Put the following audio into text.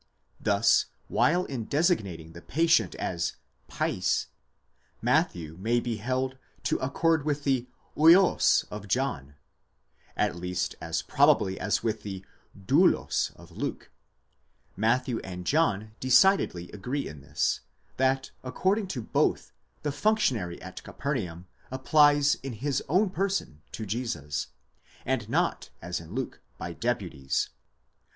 Thus, while in designating the patient as παῖς, Matthew may be held to accord with the vids of John, at least as probably as with the δοῦλος of Luke; — Matthew and John decidedly agree in this, that according to both the func tionary at Capernaum applies in his own person to Jesus, and not as in Luke by deputies.